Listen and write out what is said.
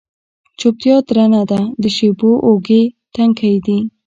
چوپتیا درنه ده د شېبو اوږې، تنکۍ دی